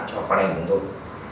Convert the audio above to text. cho con anh của tôi